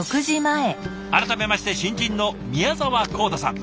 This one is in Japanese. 改めまして新人の宮澤晃汰さん。